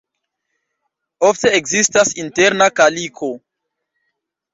Ofte ekzistas interna kaliko.